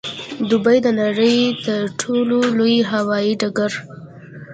دوبۍ د نړۍ د تر ټولو لوی هوايي ډګر